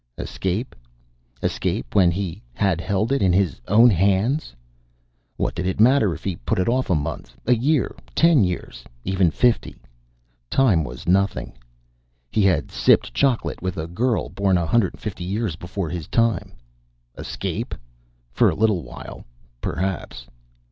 Escape? Escape, when he had held it in his own hands? What did it matter if he put it off a month, a year, ten years, even fifty? Time was nothing. He had sipped chocolate with a girl born a hundred and fifty years before his time. Escape? For a little while, perhaps.